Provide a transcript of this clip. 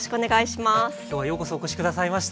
今日はようこそお越し下さいました。